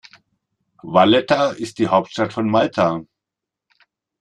Valletta ist die Hauptstadt von Malta.